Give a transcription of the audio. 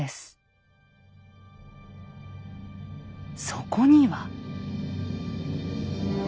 そこには。